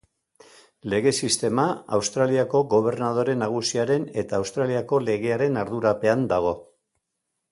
Lege sistema Australiako gobernadore nagusiaren eta Australiako legearen ardurapean dago.